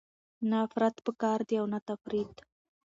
نه افراط پکار دی او نه تفریط.